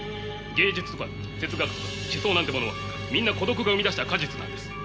芸術とか哲学とか思想なんてものはみんな孤独が生み出した果実なんです。